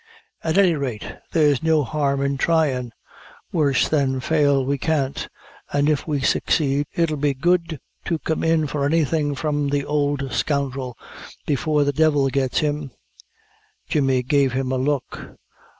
"At any rate there's no harm in tryin' worse than fail we can't, an' if we succeed it'll be good to come in for anything from the ould scoundrel, before the devil gets him." Jemmy gave him a look.